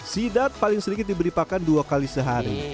sidap paling sedikit diberi pakan dua kali sehari